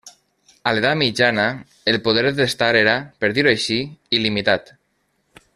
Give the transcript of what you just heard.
A l'edat mitjana, el poder de testar era, per dir-ho així, il·limitat.